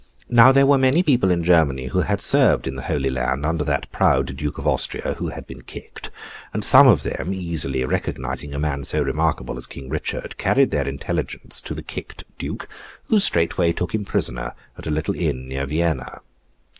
Now, there were many people in Germany who had served in the Holy Land under that proud Duke of Austria who had been kicked; and some of them, easily recognising a man so remarkable as King Richard, carried their intelligence to the kicked Duke, who straightway took him prisoner at a little inn near Vienna.